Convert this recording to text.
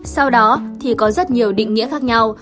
sau đó thì có rất nhiều định nghĩa khác nhau